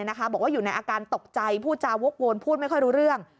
บอกว่าอยู่ในอาการตกใจพูดจาวกวนพูดไม่ค่อยรู้เรื่อง